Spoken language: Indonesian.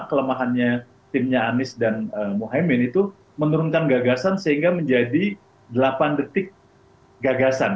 kelemahannya timnya anies dan muhyemin itu menurunkan gagasan sehingga menjadi delapan detik gagasan